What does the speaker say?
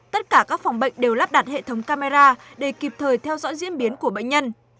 tất cả các phòng bệnh đều lắp đặt hệ thống camera để kịp thời theo dõi diễn biến của bệnh nhân